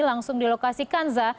langsung di lokasi kanza